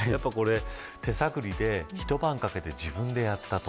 手探りで一晩かけて自分でやったと。